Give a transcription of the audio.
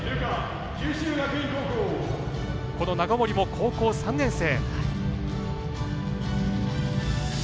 長森も高校３年生。